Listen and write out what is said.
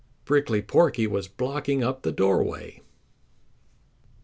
Prickly Porky was blocking up the doorway.